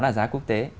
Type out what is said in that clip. là giá quốc tế